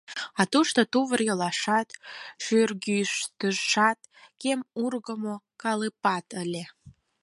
А тушто тувыр йолашат, шӱргӱштышат, кем ургымо калыпат ыле...